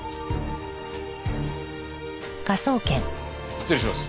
失礼します。